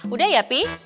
udah ya pi